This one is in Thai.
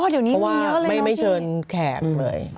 เพราะว่าไม่เชิญแขกเลย